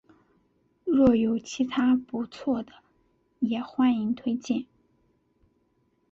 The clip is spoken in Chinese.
若有其他不错的也欢迎推荐